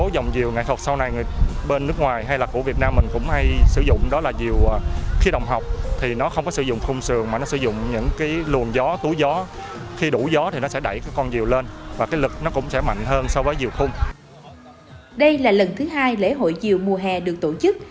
đây là lần thứ hai lễ hội diều mùa hè được tổ chức